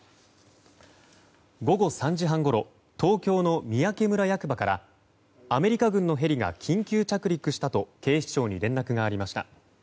午後３時半ごろ東京の三宅村役場からアメリカ軍の兵が緊急着陸したと警視庁に連絡がありました。